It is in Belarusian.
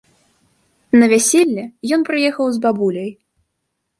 На вяселле ён прыехаў з бабуляй.